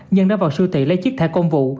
nhân đã vào siêu thị lấy chiếc thẻ công vụ